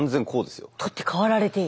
取って代わられている。